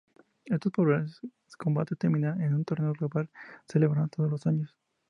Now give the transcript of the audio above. Estos populares combates terminan en un torneo global, celebrado todos los años.